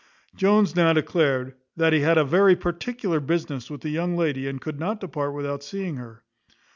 Jones now declared, "that he had very particular business with the young lady, and could not depart without seeing her."